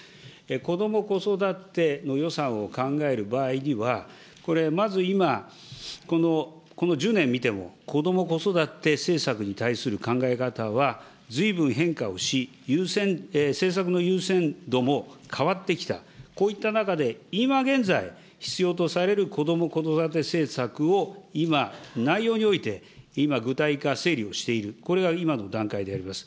こども・子育ての予算を考える場合には、これ、まず今、この１０年見ても、こども・子育て政策に対する考え方はずいぶん変化をし、優先、政策の優先度も変わってきた、こういった中で今現在必要とされるこども・子育て政策を今、内容において今、具体化整理をしている、これが今の段階であります。